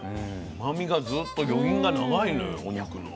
うまみがずっと余韻が長いのよお肉の。